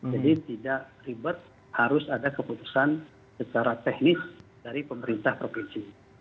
jadi tidak ribet harus ada keputusan secara teknis dari pemerintah provinsi